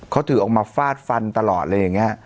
เขาถือออกมาฟาดฟันตลอดเลยไง